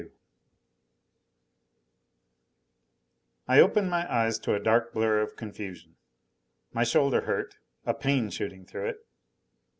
XXII I opened my eyes to a dark blur of confusion. My shoulder hurt a pain shooting through it.